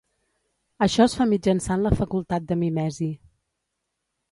Això es fa mitjançant la facultat de mimesi.